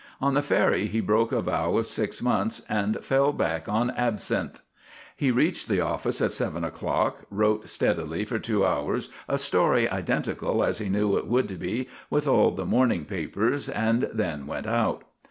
On the ferry he broke a vow of six months and fell back on absinthe. He reached the office at seven o'clock, wrote steadily for two hours a story identical as he knew it would be with all the morning papers, and then went out.